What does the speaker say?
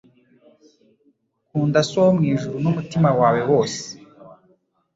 Kunda So wo mu ijuru n'umutima wawe wose